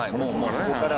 ここからね。